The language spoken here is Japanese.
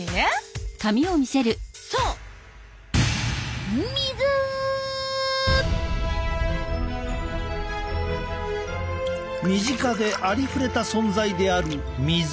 そう身近でありふれた存在である水。